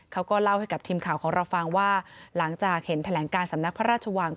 เขาก็เล่าให้กับทีมข่าวของเราฟังว่าหลังจากเห็นแถลงการสำนักพระราชวัง